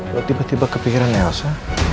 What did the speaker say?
suara tiba tiba kepikiran neos ya